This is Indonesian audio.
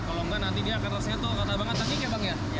kalau nggak nanti dia akan rasanya tuh kata bang kata ngik ya bang ya